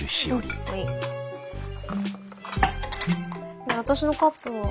ねえ私のカップは？